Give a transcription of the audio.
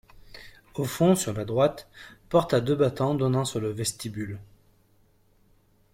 Au fond, sur la droite, porte à deux battants donnant sur le vestibule.